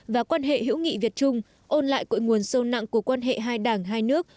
và quan hệ hữu nghị việt trung ôn lại cội nguồn sâu nặng của quan hệ hai đảng hai nước